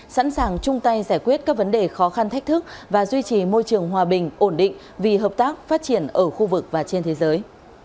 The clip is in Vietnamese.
sẵn sàng chung tay giải quyết các vấn đề khó khăn thách thức và duy trì môi trường hòa bình ổn định vì hợp tác phát triển ở khu vực và trên thế giới